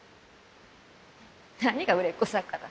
何が売れっ子作家だ？